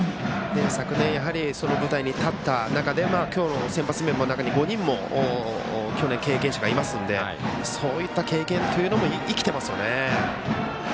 昨年、舞台に立った中で今日の先発メンバーの中で去年、経験者がいますのでそういった経験というのも生きてますよね。